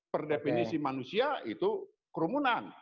per definisi manusia itu kerumunan